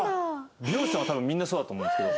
美容師さんは多分みんなそうだと思うんですけど。